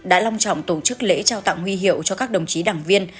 đã long trọng tổ chức lễ trao tặng huy hiệu cho các đồng chí đảng viên